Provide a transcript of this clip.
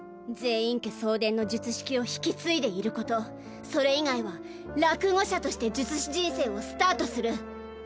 禪院家相伝の術式を引き継いでいることそれ以外は落伍者として術師人生をスタートする。